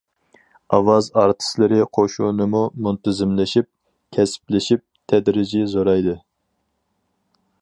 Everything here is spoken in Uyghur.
ئاۋاز ئارتىسلىرى قوشۇنىمۇ مۇنتىزىملىشىپ، كەسىپلىشىپ، تەدرىجىي زورايدى.